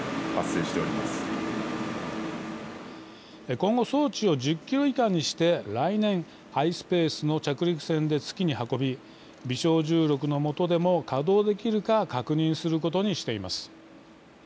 今後、装置を１０キロ以下にして来年、アイスペースの着陸船で月に運び微小重力のもとでも稼働できるか確認することにしています。